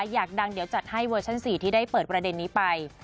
อยากดังเดี๋ยวจัดให้เวอร์ชั่น๔ที่ได้เปิดประเด็นนี้ไป